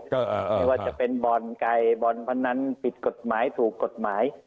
มหาจะเป็นบรรไกรบรรพนันทปิดกฎหมายสูงกฎหมาย